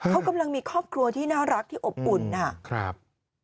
เขากำลังมีครอบครัวที่น่ารักที่อบอุ่นนะครับ